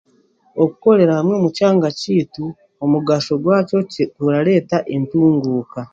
Okukorera hamwe omu kyanga kyaitu omugasho gwakyo kirareeta entunguuka